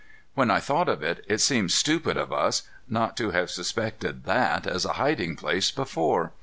When I thought of it, it seemed stupid of us not to have suspected that as a hiding place before.